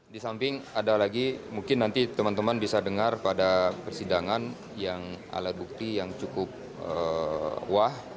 di samping ada lagi mungkin nanti teman teman bisa dengar pada persidangan yang alat bukti yang cukup wah